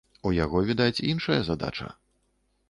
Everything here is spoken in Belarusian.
У яго, відаць, іншая задача.